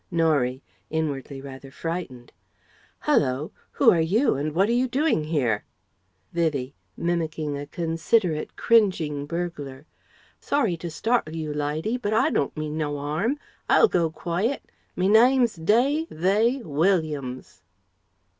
Norie (inwardly rather frightened): "Hullo! Who are you and what are you doing here?" Vivie (mimicking a considerate, cringing burglar): "Sorry to startle you, lidy, but I don't mean no 'arm. I'll go quiet. Me name's D.V. Williams..."